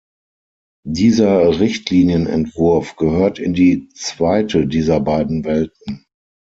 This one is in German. Dieser Richtlinienentwurf gehört in die zweite dieser beiden Welten.